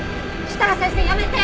設楽先生やめて！